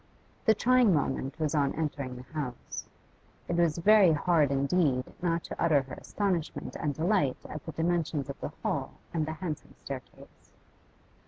The trying moment was on entering the house; it was very hard indeed not to utter her astonishment and delight at the dimensions of the hall and the handsome staircase.